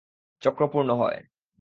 চক্র পূর্ণ হয়।